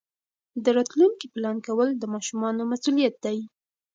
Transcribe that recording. د راتلونکي پلان کول د ماشومانو مسؤلیت دی.